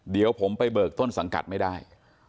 เดี๋ยวผมไปเบิกต้นสังกัดไม่ได้